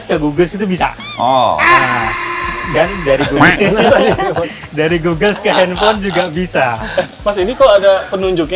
sebelum itu kita biasanya saja sampai sekarang